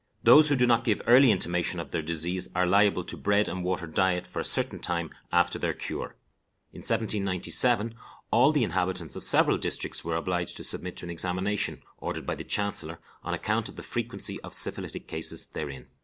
Those who do not give early intimation of their disease are liable to bread and water diet for a certain time after their cure. In 1797, all the inhabitants of several districts were obliged to submit to an examination, ordered by the chancellor, on account of the frequency of syphilitic cases therein.